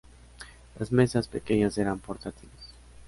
Las mesas, pequeñas, eran portátiles.